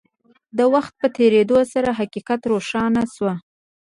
د وخت په تېرېدو سره حقيقت روښانه شو.